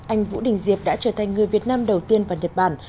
anh vũ đình diệp đã trở thành người việt nam đầu tiên vào nhật bản